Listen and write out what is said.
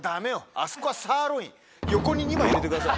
あそこはサーロイン。入れてください。